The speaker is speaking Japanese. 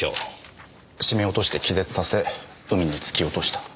絞め落として気絶させ海に突き落とした。